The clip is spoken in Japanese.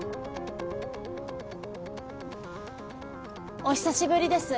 お久しぶりです